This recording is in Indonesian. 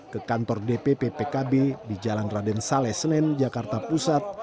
ke kantor dpp pkb di jalan raden saleh senen jakarta pusat